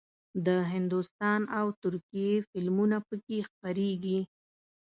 د هندوستان او ترکیې فلمونه پکې خپرېږي.